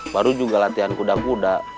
baru juga latihan kuda kuda